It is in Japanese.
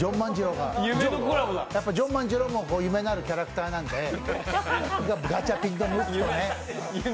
ジョン万次郎も夢のあるキャラクターなんでガチャピンとムックとね。